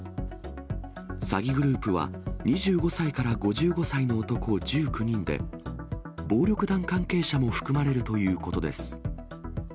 詐欺グループは、２５歳から５５歳の男１９人で、暴力団関係者も含まれるということです。